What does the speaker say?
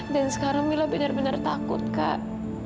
dan sekarang mila benar benar takut kak